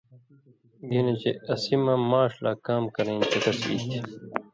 گِنہۡ چے اسی مہ ماݜ لا کام کرئیں چکس ای تھی۔